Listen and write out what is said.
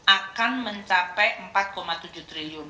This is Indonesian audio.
akan mencapai rp empat tujuh triliun